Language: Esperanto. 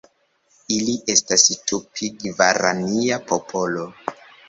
Ili estas Tupi-gvarania popolo.